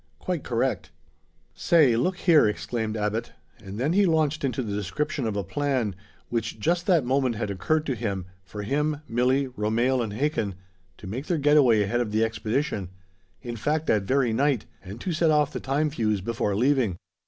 "Quite correct." "Say, look here!" exclaimed Abbot, and then he launched into the description of a plan, which just that moment had occurred to him, for him, Milli, Romehl and Hakin to make their getaway ahead of the expedition in fact, that very night and to set off the time fuse before leaving.